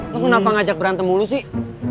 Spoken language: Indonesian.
gue kenapa ngajak berantem mulu sih